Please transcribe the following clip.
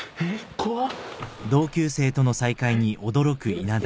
怖っ。